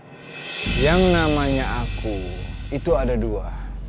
ada dua yang namanya aku itu ada dua